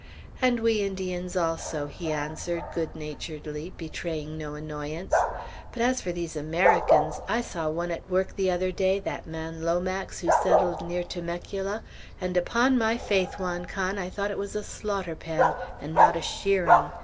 "And we Indians also," he answered, good naturedly, betraying no annoyance; "but as for these Americans, I saw one at work the other day, that man Lomax, who settled near Temecula, and upon my faith, Juan Can, I thought it was a slaughter pen, and not a shearing.